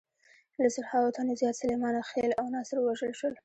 له زرهاوو تنو زیات سلیمان خېل او ناصر ووژل شول.